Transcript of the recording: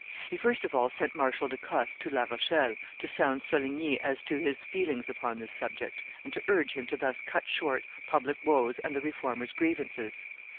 He first of all sent Marshal de Cosse to La Rochelle, to sound Coligny as to his feelings upon this subject, and to urge him to thus cut short public woes and the Reformers' grievances.